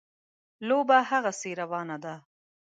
لوبه هغسې روانه ده.